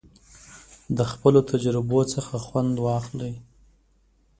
د خپلو تجربو څخه خوند واخلئ.